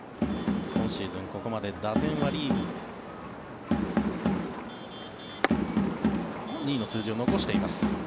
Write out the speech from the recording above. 今シーズン、ここまで打点はリーグ２位の数字を残しています。